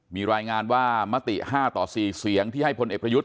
มีรายงานว่ามติ๕ต่อ๔เสียงที่ให้พลเอกประยุทธ์